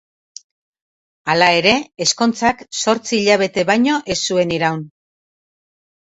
Hala ere, ezkontzak zortzi hilabete baino ez zuen iraun.